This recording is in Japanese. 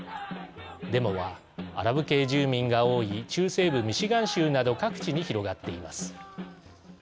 デモは、アラブ系住民が多い中西部ミシガン州など各地に広がっています。